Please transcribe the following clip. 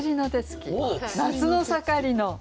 「夏の盛りの」。